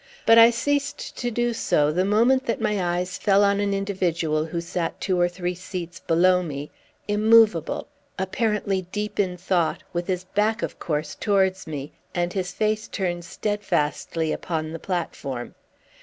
But I ceased to do so the moment that my eyes fell on an individual who sat two or three seats below me, immovable, apparently deep in thought, with his back, of course, towards me, and his face turned steadfastly upon the platform.